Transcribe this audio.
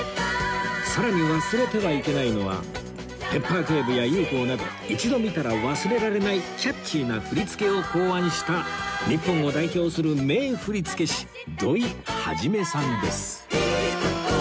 さらに忘れてはいけないのは『ペッパー警部』や『ＵＦＯ』など一度見たら忘れられないキャッチーな振り付けを考案した日本を代表する名振付師土居甫さんです